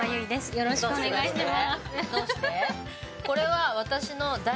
よろしくお願いします。